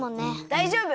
だいじょうぶ！